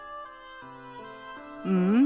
うん。